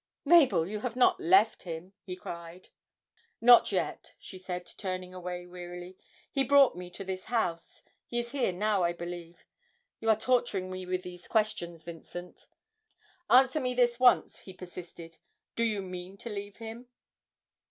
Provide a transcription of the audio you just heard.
'Mabel, you have not left him!' he cried. 'Not yet,' she said, turning away wearily; 'he brought me to this house he is here now, I believe.... You are torturing me with these questions, Vincent.' 'Answer me this once,' he persisted, 'do you mean to leave him?'